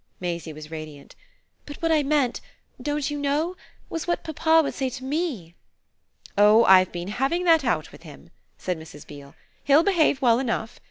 Maisie was radiant. "But what I meant don't you know? was what papa would say to ME." "Oh I've been having that out with him," said Mrs. Beale. "He'll behave well enough.